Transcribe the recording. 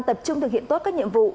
tập trung thực hiện tốt các nhiệm vụ